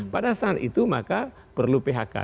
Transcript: pada saat itu maka perlu phk